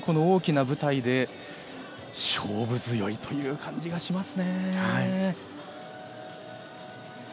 大きな舞台で勝負強いという感じがしますね。